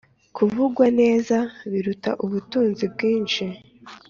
kuvugwa neza biruta ubutunzi bwinshi,